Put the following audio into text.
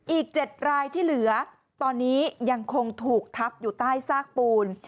อีก๗รายที่เหลือตอนนี้ยังคงถูกทับอยู่ใต้ซากปูน